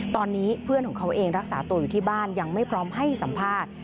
ตอนนี้เพื่อนของเขาเองรักษาตัวอยู่ที่บ้านยังไม่พร้อมให้สัมภาษณ์